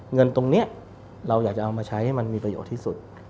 เงินตรงนี้เราอยากจะเอามาใช้ให้มันมีประโยชน์ที่สุด